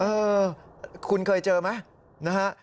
เออคุณเคยเจอไหมนะฮะ